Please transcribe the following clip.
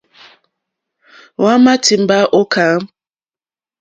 Hwámà tìmbá ô kâmp.